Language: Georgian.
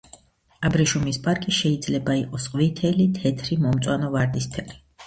აბრეშუმის პარკი შეიძლება იყოს ყვითელი, თეთრი, მომწვანო, ვარდისფერი.